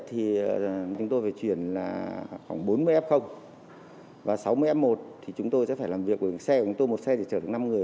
hà nội hà nội hà nội hà nội